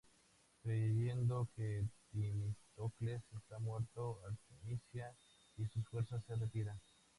Creyendo que Temístocles está muerto, Artemisia y sus fuerzas se retiran.